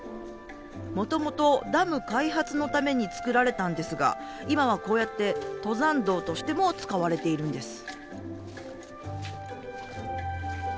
もともとダム開発のために作られたんですが今はこうやって登山道としても使われているんです。